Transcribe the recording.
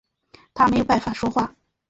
他没有办法说话